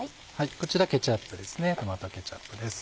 こちらケチャップですねトマトケチャップです。